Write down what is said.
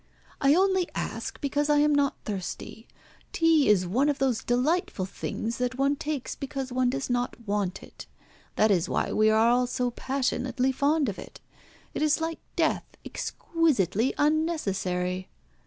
"I only ask because I am not thirsty. Tea is one of those delightful things that one takes because one does not want it. That is why we are all so passionately fond of it. It is like death, exquisitely unnecessary."